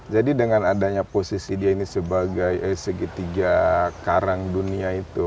jadi dengan adanya posisi ini sebagai segitiga karang dunia itu